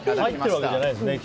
入ってるわけじゃないですね